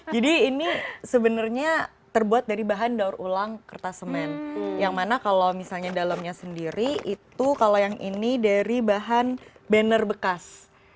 jadi ini sebenarnya terbuat dari bahan daur ulang kertas semen yang mana kalau misalnya dalamnya sendiri itu kalau yang ini dari bahan banner bekas